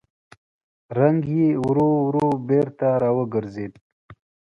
رنګ يې ورو ورو بېرته راوګرځېد.